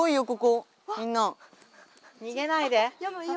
にげないで！